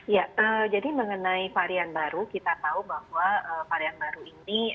ya jadi mengenai varian baru kita tahu bahwa varian baru ini